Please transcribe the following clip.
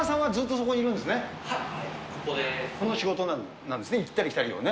その仕事なんですね、行ったり来たりをね。